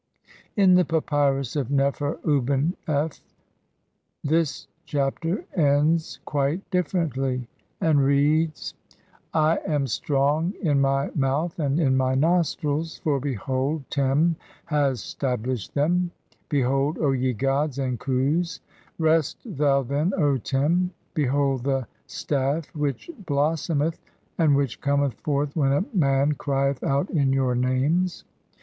In the Papyrus of Nefer uben f (see Naville, op. cit., Bd. I. 131. 70) this Chapter ends quite differently, and reads :— "I am strong in my mouth and in my nostrils, for behold "Tern has stablished them ; behold, O ye gods and Khus. Rest "thou, then, O Tern. Behold the staff which blossometh, and "which cometh forth when a man crieth out in your names.